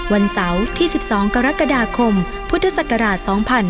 วันเสาร์ที่๑๒กรกฎาคมพุทธศักราช๒๕๕๙